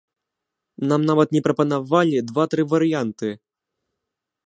Нам нават не прапанавалі два-тры варыянты.